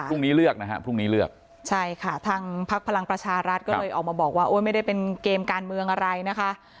พรุ่งนี้เลือกนะฮะพรุ่งนี้เลือกใช่ค่ะทางพักพลังประชารัฐก็เลยออกมาบอกว่าโอ๊ยไม่ได้เป็นเกมการเมืองอะไรนะคะ